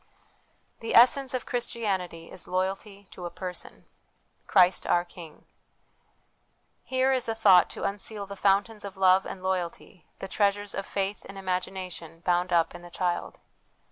The Essence of Christianity is Loyalty to a Person. Christ ', our King. Here is a thought to unseal the fountains of love and loyalty, the treasures of faith and imagination, bound up in the child.